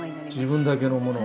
自分だけのもの。